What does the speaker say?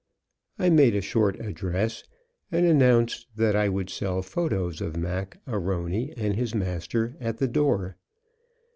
I made a short address and announced that I would sell photos of Mac A'Rony and his master at the door.